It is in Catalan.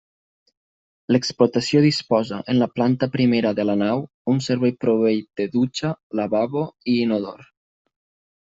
L'explotació disposa en la planta primera de la nau un servei proveït de dutxa, lavabo i inodor.